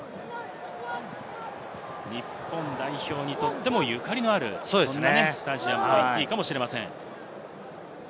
日本代表にとってもゆかりのある、そんなスタジアムと言ってもいいかもしれません。